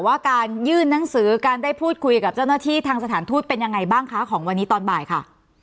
ว่าการยื่นหนังสือการได้พูดคุยกับเจ้าหน้าที่ทางสถานทูตเป็นยังไงบ้างคะของวันนี้ตอนบ่ายค่ะ